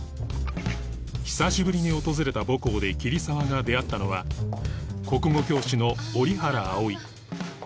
久しぶりに訪れた母校で桐沢が出会ったのは国語教師の折原葵